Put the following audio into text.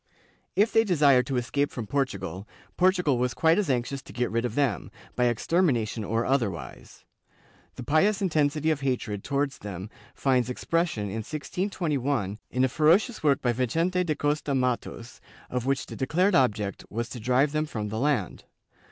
If they desired to escape from Portugal, Portugal was quite as anxious to get rid of them, by extermination or otherwise. The pious intensity of hatred towards them finds expression, in 1621, in a ferocious work by Vicente da Costa Mattos, of which the declared object was to drive them from the land.